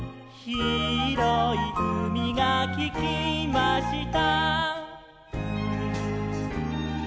「ひろいうみがありました」